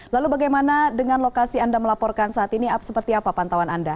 lalu bagaimana dengan lokasi anda melaporkan saat ini seperti apa pantauan anda